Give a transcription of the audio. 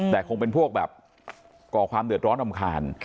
แต่คงเป็นพวกแบบก่อความเดือดร้อนรำคาญ